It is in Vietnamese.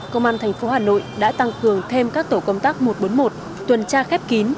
công an tp hà nội đã tăng cường thêm các tổ công tác một trăm bốn mươi một tuần tra khép kín